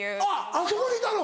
あそこにいたの？